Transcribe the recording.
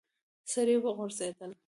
سړی وغورځېد.